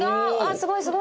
すごいすごい！